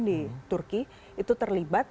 di turki itu terlibat